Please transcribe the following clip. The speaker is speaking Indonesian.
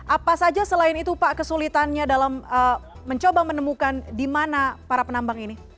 apa saja selain itu pak kesulitannya dalam mencoba menemukan di mana para penambang ini